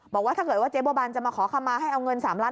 บอกว่าถ้าเกิดว่าเจ๊บัวบันจะมาขอคำมาให้เอาเงิน๓ล้าน